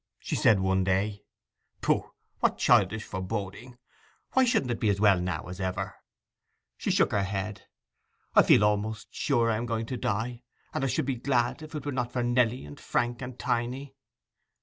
she said one day. 'Pooh! what childish foreboding! Why shouldn't it be as well now as ever?' She shook her head. 'I feel almost sure I am going to die; and I should be glad, if it were not for Nelly, and Frank, and Tiny.